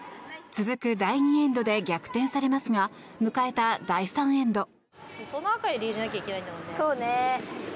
続く第２エンドで逆転されますが迎えた第３エンド。